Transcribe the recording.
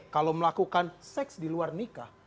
kalau melakukan seks di luar nikah